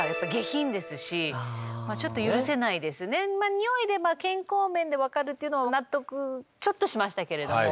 においで健康面で分かるっていうのは納得ちょっとしましたけれども。